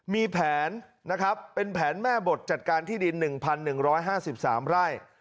มีแผนนะครับเป็นแผนแม่บทจัดการที่ดิน๑๑๕๓ไร่